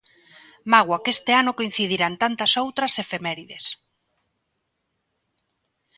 Mágoa que este ano coincidiran tantas outras efemérides.